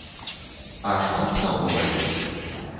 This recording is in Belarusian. А шмат сам улавіў?